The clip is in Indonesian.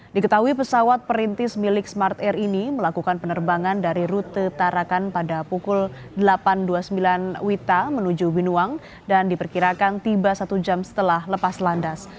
diketahui pesawat perintis milik smart air ini melakukan penerbangan dari rute tarakan pada pukul delapan dua puluh sembilan wita menuju binuang dan diperkirakan tiba satu jam setelah lepas landas